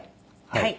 はい。